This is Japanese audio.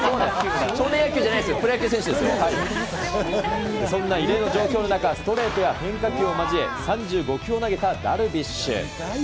少年野球じゃないですよ、そんな異例の状況の中、ストレートや変化球を交え、３５球を投げたダルビッシュ。